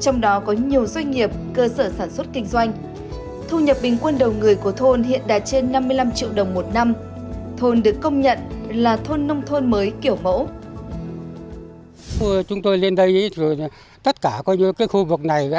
trong đó có nhiều doanh nghiệp doanh nghiệp doanh nghiệp